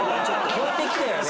超えてきたよね。